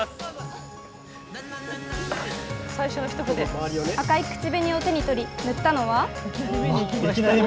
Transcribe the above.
最初の一筆、赤い口紅を手に取り塗ったのは。